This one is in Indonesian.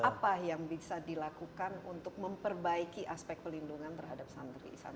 apa yang bisa dilakukan untuk memperbaiki aspek pelindungan terhadap santri